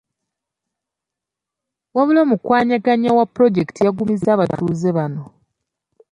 Wabula omukwanaganya wa ppuloojekiti yagumizza abatuuze bano.